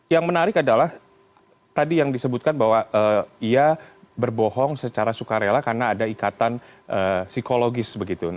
yang menarik adalah tadi yang disebutkan bahwa ia berbohong secara sukarela karena ada ikatan psikologis begitu